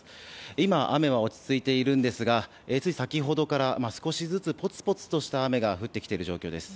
今、雨は落ち着いているんですがつい先ほどから少しずつぽつぽつとした雨が降ってきている状況です。